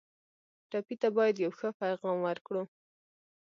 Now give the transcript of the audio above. ټپي ته باید یو ښه پیغام ورکړو.